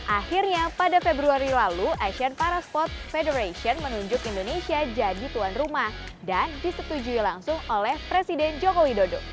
akhirnya pada februari lalu asian paraspot federation menunjuk indonesia jadi tuan rumah dan disetujui langsung oleh presiden joko widodo